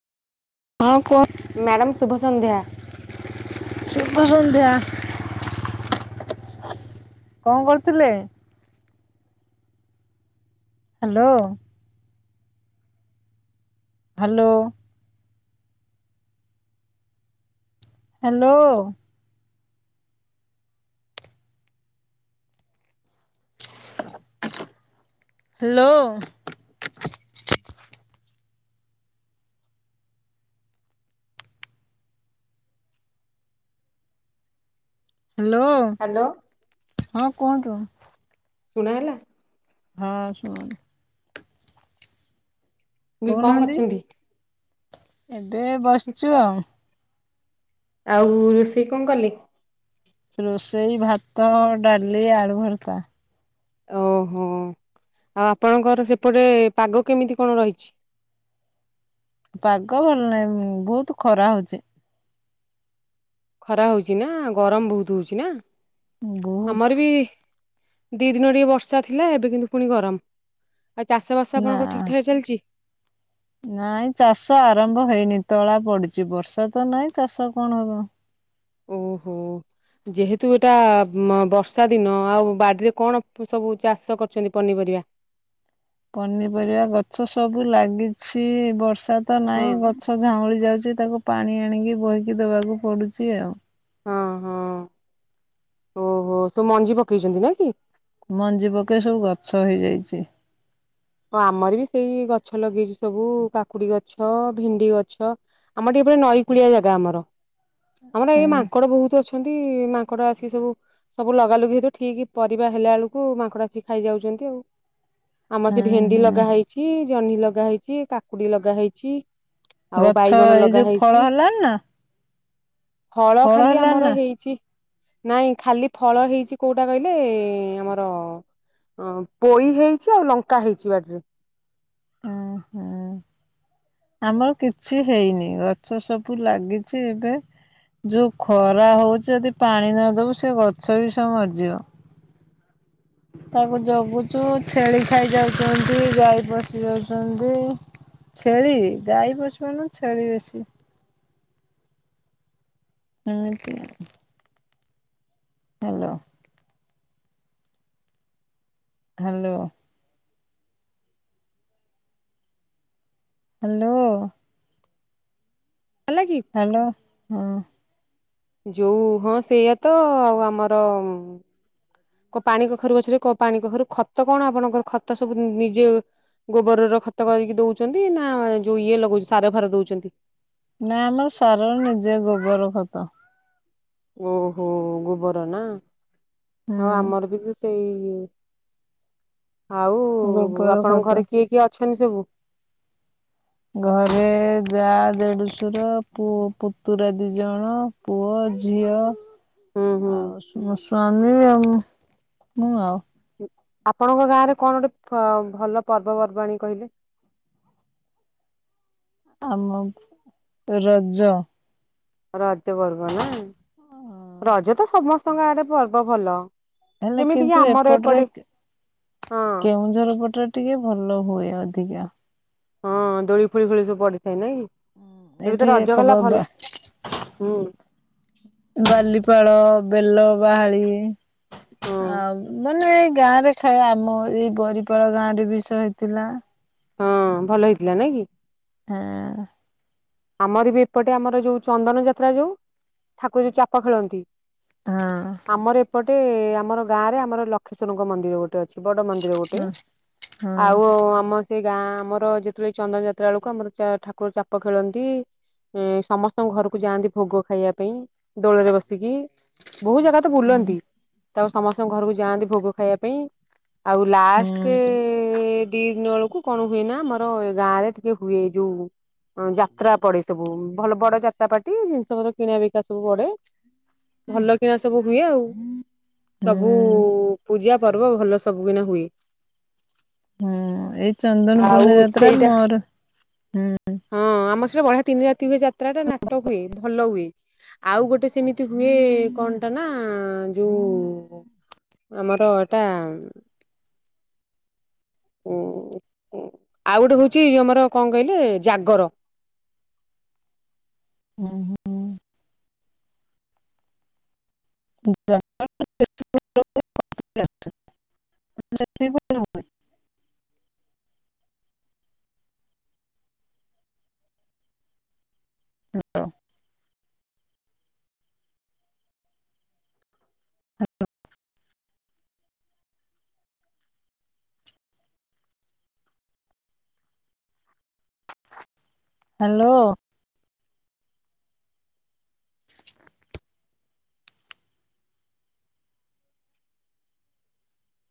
ହଁ କୁହ। ମ୍ୟାଡ଼ାମ ଶୁଭ ସନ୍ଧ୍ୟା। ସୁୁଭ ସନ୍ଧ୍ୟା। କଣ କରୁଥିଲେ? Hello. Hello. Hello. Hello. Hello. Hello. ହଁ କୁହନ୍ତୁ। ଶୁଣା ହେଲା। ହଁ ଶୁଣ [inaudible] ଇଏ କଣ କହୁନାହାନ୍ତି କରୁଚନ୍ତି? ଏବେ ବସିଛୁ ଆଉ। ଆଉ ରୋସେଇ କଣ କଲେ? ରୋଷେଇ ଭାତ ଡାଲି ଆଳୁ ଭରତା। ଓହୋ ଆଉ ଆପଣଙ୍କର ସେପଟେ ପାଗ କେମିତି କଣ ରହିଛି? ପାଗ ଭଲ ନାହିଁ ବହୁତ ଖରା ହଉଛି। ଖରା ହଉଛି ନା ଗରମ ବହୁତ ହଉଛି ନା ଆମର ବହୁତ ବି ଦୁଇ ଦିନ ଟିକେ ବର୍ଷା ଥିଲା ଏବେ କିନ୍ତୁ ପୁଣି ଗରମ ଆଉ ଚାଷବାସ ନା ଆପଣଙ୍କର ଠିକ୍ ଠାକ୍ ଚାଲିଛି? ନାଇଁ ଚାଷ ଆରମ୍ଭ ହେଇନି ତଳା ପଡିଛି ବର୍ଷା ତ ନାଇଁ ଚାଷ କଣ ହବ। ଓହୋ। ଯେହେତୁ ଏଇଟା ବର୍ଷା ଦିନ ଆଉ ବାଡିରେ କଣ ସବୁ ଚାଷ କରୁଛନ୍ତି ପନିପରିବା? ପନିପରିବା ଗଛ ସବୁ ଲାଗିଛି ବର୍ଷା ତ ହଁ ନାଇଁ ଗଛ ଝାଉଁଳି ଯାଉଛି ତାକୁ ପାଣି ଆଣିକି ବୋହିକି ଦବାକୁ ପଡୁଛି ଆଉ। ହଁ ହଁ ଓହୋ ସବୁ ମଞ୍ଜି ପକେଇଛନ୍ତି ନା କି? ମଞ୍ଜି ପକେଇ ସବୁ ଗଛ ହେଇଯାଇଛି। ହଁ ଆମର ବି ସେଇ ଗଛ ଲଗେଇଛି ସବୁ କାକୁଡି ଗଛ ଭେଣ୍ଡି ଗଛ ଆମର ଟିକେ ଏପଟେ ନଈ କୂଳିଆ ଜାଗା ଆମର ଆମର ଏଇ ହୁଁ ମାଙ୍କଡ ବହୁତ ଅଛି। ଅଛନ୍ତି ମାଙ୍କଡ ଆସି ସବୁ ସବୁ ଲଗାଲଗି ହେତୁ ଠିକ୍ ପରିବା ହେଲା ବେଳକୁ ମାଙ୍କଡ ଆସିକି ଖାଇଯାଉଛନ୍ତି ଆଉ। ଆମର ସେ ହୁଁ ଭେଣ୍ଡି ହୁଁ ଲଗା ହେଇଛି ଜହ୍ନି ଲଗା ହେଇଛି କାକୁଡି ଲଗା ହେଇଛି। ଆଉ ଗଛ ବାଇଗଣ ଏଇ ଲଗା ଯୋଉ ଫଳ ହେଇଛି। ହେଲାଣି ନା ହଳ ଫଳ ଖାଲି ହେଲାଣି ଆମର ନା ହେଇଛି। ନାଇଁ ଖାଲି ଫଳ ହେଇଛି କୋଉଟା କହିଲେ ଆମର ଅ ପୋଇ ହେଇଛି ଆଉ ଲଙ୍କା ହେଇଛି ବାଡିରେ। ଓଁ ହଁ। ଆମର କିଛି ହେଇନି ଗଛ ସବୁ ଲାଗିଛି ଏବେ। ଯୋଉ ଖରା ହଉଛି ଯଦି ପାଣି ନଦବୁ ସେ ଗଛ ବି ସବୁ ମରିଯିବ। ତାକୁ ଜଗୁଛୁ ଛେଳି ଖାଇ ଯାଉଛନ୍ତି ଗାଈ ପଶି ଯାଉଛନ୍ତି। ଛେଳି ଗାଈ ପସିପାରୁ ନାହାନ୍ତି ଛେଳି ବେଶୀ ହଁ ସେୟା। ହାଲୋ। ହାଲୋ। ହାଲୋ। ହେଲା କି? ହାଲୋ ହଁ। ଯୋଉ ହଁ ସେଇଆା ତ ଆଉ ଆମର କୋ ପାଣି କଖାରୁ ଗଛରେ କୋ ପାଣି କଖାରୁ ଖତ କଣ ଆପଣଙ୍କର ଖତ ସବୁ ନିଜେ ଗୋବରର ଖତ କରିକି ଦଉଛନ୍ତି ନା ଯୋଉ ଇଏ ଲଗଉଛି ସାର ଫାର ଦଉଛନ୍ତି? ନା ଆମର ସାର ନିଜେ ଗୋବର ଖତ ଓହୋ ଗୋବର ନା ହୁଁ ହଁ ଆମର ବି ସେଇ ଆଉ ଗୋବର ଆପଣଙ୍କ ଖତ ଘରେ କିଏ କିଏ ଅଛନ୍ତି ସବୁ? ଘରେ ଯା ଦେଢଶୁର ପୁଅ ପୁତୁରା ଦି ଜଣ ପୁଅ ଝିଅ ହୁଁ ହୁଁ। ଆଉ ମୋ ସ୍ୱାମୀ ଆଉ ମୁୁ ଆଉ ଆପଣଙ୍କ ଗାଁ ରେ କଣ ଗୋଟେ ଭଲ ପର୍ବ ପର୍ବାଣୀ କହିଲେ? ଆମ ରଜ ରଜ ପର୍ବ ନା ରଜ ତ ସମସ୍ତଙ୍କ ଆଡେ ପର୍ବ ଭଲ। ହେଲେ ଯେମିତି କିି କିନ୍ତୁ ଆମର ଏପଟରେ ଏପଟେ ହଁ କେଉଁଝର ପଟରେ ଟିକେ ଭଲ ହୁଏ ଅଧିକା। ହଁ ଦୋଳି ଫୋଳି ଫୋଳି ସବୁ ପଡିଥାଏ ନାଇଁକି? ଏବେ ତ ଏଠି ରଜ ଗଲା ଏକବ ବା ଭଲ ହୁଁ। ବାଲିପାଳ ବେଲ ବାହାଳି ହଁ। ଆଉ ମାନେ ଏଇ ଗାଁ ରେ ଖାଏ ଆମ ଏଇ ବରିପାଳ ଗାଁ ରେ ବିଷ ହେଇଥିଲା ହଁ ଭଲ ହେଇଥିଲା ନଇ କି ହଁ ଆମର ବି ଏପଟେ ଆମର ଯୋଉ ଚନ୍ଦନ ଯାତ୍ରା ଯୋଉ ଠାକୁର ଯୋଉ ଚାପ ଖେଳନ୍ତି ହଁ ଆମର ଏପଟେ ଆମର ଗାଁ ରେ ଆମର ଲକ୍ଷେଶ୍ଵରଙ୍କ ମନ୍ଦିର ଗୋଟେ ଅଛି। ବଡ଼ ମନ୍ଦିର ଗୋଟେ ହଁ ହଁ ଆଉ ଓ ଆମ ସେ ଗାଁ ଆମର ଯେତେବେଳେ ଚନ୍ଦନ ଯାତ୍ରା ବେଳକୁ ଆମର ଠାକୁର ଚାପ ଖେଳନ୍ତି ସମସ୍ତଙ୍କ ଘରକୁ ଯାଆନ୍ତି ଭୋଗ ଖାଇବା ପାଇଁ ଦୋଳରେ ଆସିକି ବହୁ ଜାଗା ତ ବୁଲନ୍ତି ତାପ ସମସ୍ତଙ୍କ ଘରକୁ ଯାଆନ୍ତି ଭୋଗ ଖାଇବା ପାଇଁ ଆଉ ଲାଷ୍ଟ ହୁଁ। ଦି ଦିନ ବେଳକୁ କୁ କଣ ହୁଏ ନା ଆମର ଏ ଗାଁ ରେ ଟିକେ ହୁଏ ଯୋଉ ଯାତ୍ରା ପଡେ ସବୁ ଭଲ ବଡ ଯାତ୍ରାପାଟି ଜିନିଷ ପତ୍ର କିଣିବା ବିକା ସବୁ ବଡେ ଭଲ କିଣା ସବୁ ହୁଏ ଆଉ ହୁଁ ସବୁ ପୂଜା ପର୍ବ ଭଲ ସବୁ କିିନା ହୁଏ ହଁ ଏଇ ଚନ୍ଦନ ଆଉ ପୂର୍ଣିମା ଯାତ୍ରା ସେଇଟା ମୋର ହୁଁ ହଁ ଆମର ସେଇଡେ ବଢିଆ ତିନି ରାତି ହୁଏ ଯାତ୍ରାଟା ନାଟ ହୁଏ ଭଲ ହୁଏ ଆଉ ଗୋଟେ ସେମିତି ହୁଏ କଣ ଟା ନା ଯୋଉ ଆମର ଏଟା ହୁଁ ଆଉ ଗୋଟେ ହଉଚି ଆମର କଅ କହିଲେ ଜାଗର। ଉଁ ହୁଁ। [inaudible] [inaudible] ହାଲୋ।